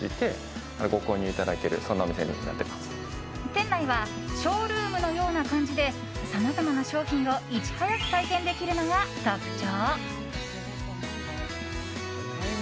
店内はショールームのような感じでさまざまな商品をいち早く体験できるのが特徴。